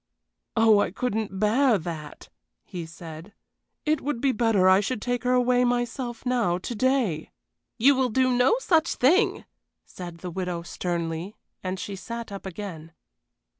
"Oh, I couldn't bear that!" he said. "It would be better I should take her away myself now, to day." "You will do no such thing!" said the widow, sternly, and she sat up again.